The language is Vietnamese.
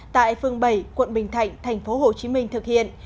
tại phường bảy quận bình thạnh tp hcm thực hiện